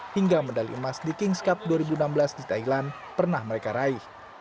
hingga medali emas di kings cup dua ribu enam belas di thailand pernah mereka raih